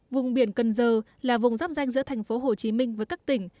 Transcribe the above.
vùng biển cần giờ là vùng giáp danh giữa tp hcm với các tỉnh